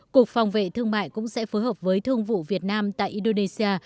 cục phòng vệ thương mại cũng sẽ phối hợp với thương vụ việt nam tại indonesia